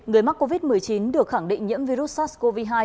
người mắc covid một mươi chín được khẳng định nhiễm virus sars cov hai